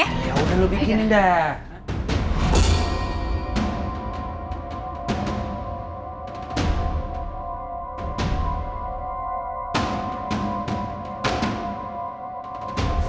yaudah lu bikin indah